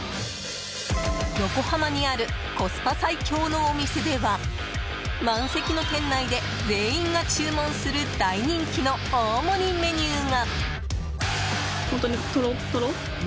横浜にあるコスパ最強のお店では満席の店内で全員が注文する大人気の大盛りメニューが。